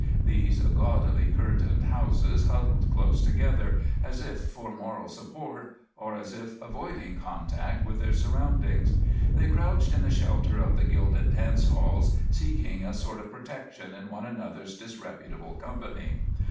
These gaudily curtained houses huddled close together, as if for moral support or as if avoiding contact with their surroundings; they crouched in the shelter of the gilded dance halls, seeking a sort of protection in one another's disreputable company.